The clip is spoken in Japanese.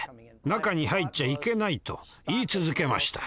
中に入っちゃいけない」と言い続けました。